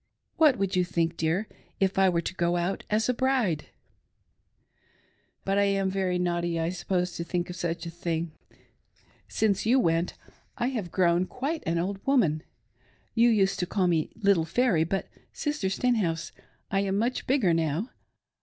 What would you think, dear, if I were to go out as a bride ? But I am very naughty I suppose to think of such a thing. HOW THE MARRIED ELDERS "MADE LOVE." I27 Since you went, I have grown quite an old woman. You used to call me " little fairy," but. Sister Stenhouse, I am much bigger now.